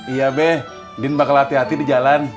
iya beh din bakal hati hati di jalan